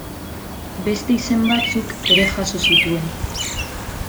Beste izen batzuk ere jaso zituen.